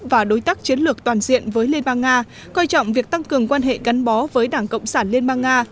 và đối tác chiến lược toàn diện với liên bang nga coi trọng việc tăng cường quan hệ gắn bó với đảng cộng sản liên bang nga